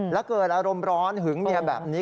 แล้วเกิดอารมณ์ร้อนหึงเมียแบบนี้